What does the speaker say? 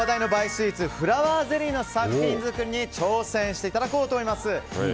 スイーツフラワーゼリーの作品作りに挑戦していただこうと思います。